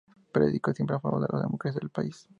Predicó siempre a favor de la democracia del país.